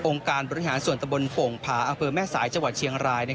องค์การบริหารส่วนตะบนโป่งผาอแม่สายจเชียงราย